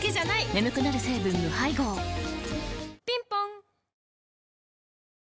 眠くなる成分無配合ぴんぽんいち押しは